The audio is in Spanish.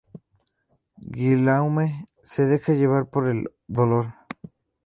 Guillaume se deja llevar por el dolor.